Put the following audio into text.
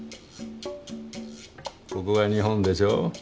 ここが日本でしょ。